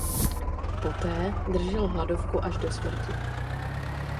Poté držel hladovku až do smrti.